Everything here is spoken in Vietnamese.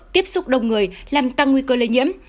tiếp xúc đông người làm tăng nguy cơ lây nhiễm